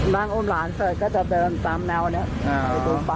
อุ้มหลานเสร็จก็จะเดินตามแนวนี้